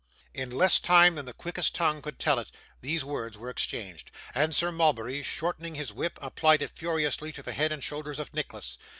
In less time than the quickest tongue could tell it, these words were exchanged, and Sir Mulberry shortening his whip, applied it furiously to the head and shoulders of Nicholas.